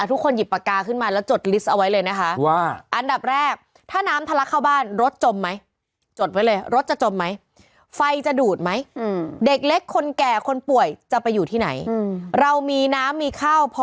ทุกคนหยิบปากกาขึ้นมาแล้วจดลิสต์เอาไว้เลยนะคะ